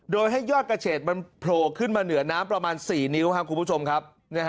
โดยให้ยอดกระเฉดมันโผล่ขึ้นมาเหนือน้ำประมาณ๔นิ้วครับคุณผู้ชมครับ